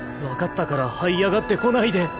分かったからい上がってこないで。